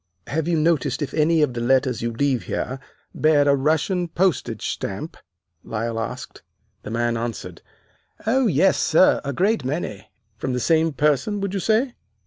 "'Have you noticed if any of the letters you leave here bear a Russian postage stamp!' Lyle asked. "The man answered, 'Oh, yes, sir, a great many.' "'From the same person, would you say!